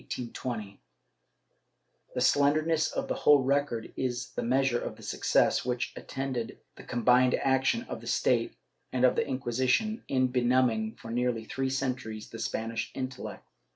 ^ The slenderness of the whole record is the mea sure of the success which attended the combined action of the state and of the Inquisition in benumbing for nearly three centuries the Spanish intellect.